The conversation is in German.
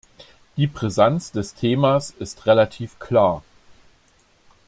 Die Brisanz des Themas ist relativ klar.